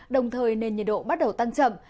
đồng thời nên nhiệt độ bắt đầu tăng chậm